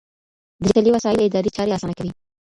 ډيجيټلي وسايل اداري چارې آسانه کوي.